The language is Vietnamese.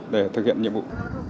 để thực hiện nhiệm vụ